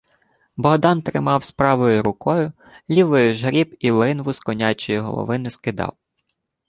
Богдан тримавсь правою рукою, лівою ж гріб і линву з конячої голови не скидав.